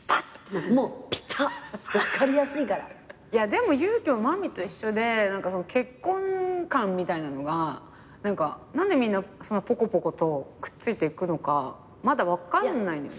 でもゆう姫は真実と一緒で結婚観みたいなのが何でみんなそんなポコポコとくっついていくのかまだ分かんないんだよね。